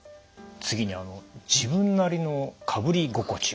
次に「自分なりのかぶり心地」